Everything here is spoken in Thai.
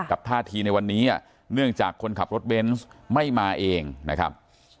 ท่าทีในวันนี้เนื่องจากคนขับรถเบนส์ไม่มาเองนะครับ